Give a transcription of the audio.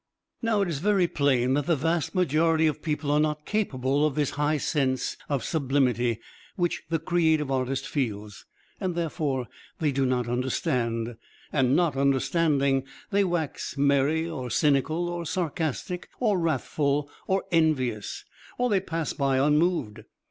Now, it is very plain that the vast majority of people are not capable of this high sense of sublimity which the creative artist feels; and therefore they do not understand, and not understanding, they wax merry, or cynical, or sarcastic, or wrathful, or envious; or they pass by unmoved.